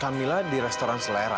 kamila di restoran selera